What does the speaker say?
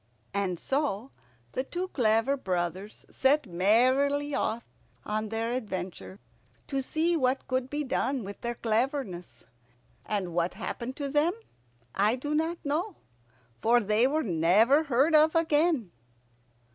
And so the two clever brothers set merrily off on their adventure, to see what could be done with their cleverness. And what happened to them I do not know, for they were never heard of again.